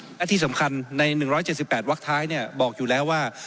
และที่สำคัญใน๑๗๘วักท้ายบอกอยู่แล้วว่า